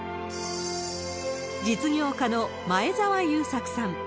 実業家の前澤友作さん。